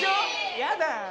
やだ！